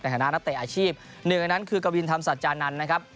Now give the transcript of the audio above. ในฐานะนักเตะอาชีพหนึ่งอันอันคือเกาินทำศัลจานนั้นนะครับ